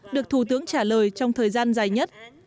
được thủ tướng trả lời trong thời gian dài nhất